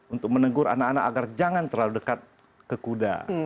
untuk menegur anak anak agar jangan terlalu dekat ke kuda